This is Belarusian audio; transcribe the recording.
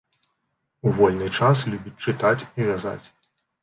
У вольны час любіць чытаць і вязаць.